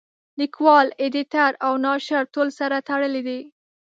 لیکوال اېډیټر او ناشر ټول سره تړلي دي.